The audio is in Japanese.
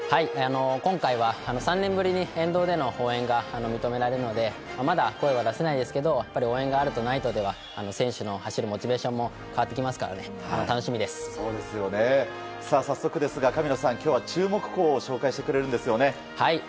今回は３年ぶりに沿道での応援が認められるのでまだ声は出せないですが応援があるとないとでは選手の走り、モチベーションも変わってきますから早速、神野さん今日は注目校を紹介してくれるんですよね。